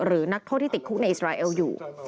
หรือนักโทษที่ติดคู่ในอิสเราอยู่